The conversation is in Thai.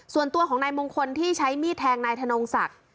ส่วนตัวของนายมงคลที่ใช้มีดแทงนายธนงศักดิ์